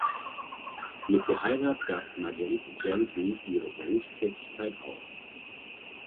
Mit der Heirat gab Marguerite Janson ihre Berufstätigkeit auf.